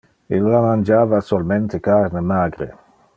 Illa mangiava solmente carne magre.